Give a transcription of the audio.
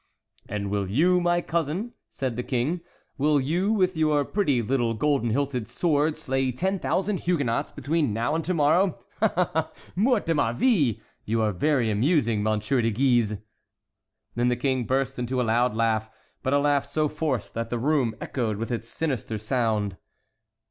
"And will you, my cousin," said the King, "will you, with your pretty little gold hilted sword, slay ten thousand Huguenots between now and to morrow? Ha! ha! ha! mort de ma vie! you are very amusing, Monsieur de Guise!" And the King burst into a loud laugh, but a laugh so forced that the room echoed with its sinister sound.